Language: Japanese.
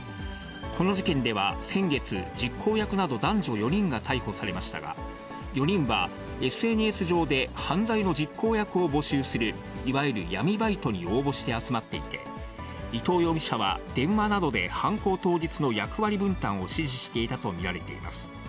この事件では先月、実行役など男女４人が逮捕されましたが、４人はＳＮＳ上で犯罪の実行役を募集する、いわゆる闇バイトに応募して集まっていて、伊藤容疑者は、電話などで犯行当日の役割分担を指示していたと見られています。